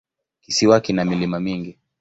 Kisiwa kina milima mingi.